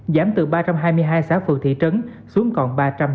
giảm từ ba trăm hai mươi hai xã phường thị trấn xuống còn ba trăm một mươi hai